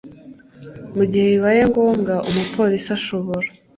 mu gihe bibaye ngombwa umupolisi ashobora